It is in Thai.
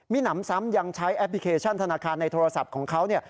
มีหนำซ้ำยังใช้แอปพลิเคชันธนาคารในโทรศัพท์ของเขาเนี่ย